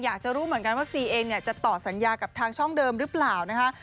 อยากจะรู้เหมือนกันว่าซีเองเนี่ยจะต่อสัญญากับทางช่องเดิมหรือเปล่านะคะ